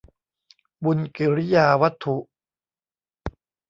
บุญกิริยาวัตถุ